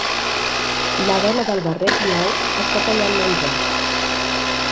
La dona del barret blau està tallant menjar